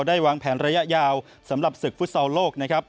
ก็ได้วางแผนระยะยาวสำหรับศึกฟุตซอลโลก